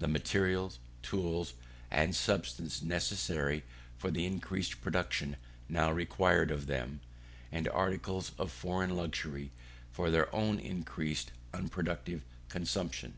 the materials, tools, and subsistence necessary for the increased production now required of them, and articles of foreign luxury for their own increased unproductive consumption.